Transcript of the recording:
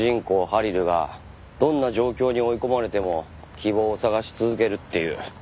ハリルがどんな状況に追い込まれても希望を探し続けるっていう。